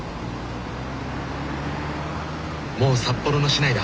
もう札幌の市内だ。